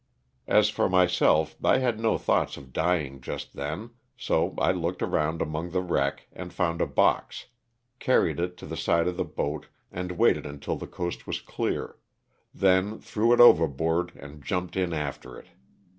As for myself I had no thoughts of dying just then, so I looked around among the wreck and found a box, carried it to the side of the boat and waited until the coast was clear ; then threw it over board and jumped in after it.